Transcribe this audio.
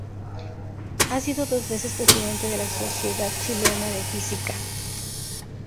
Ha sido dos veces presidente de la Sociedad Chilena de Física.